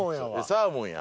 サーモンや。